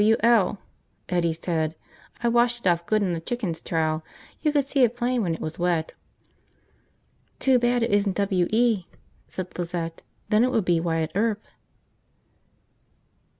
"W L," Eddie said. "I washed it off good in the chickens' trough. You could see it plain when it was wet." "Too bad it isn't W E," said Lizette. "Then it would be Wyatt Earp."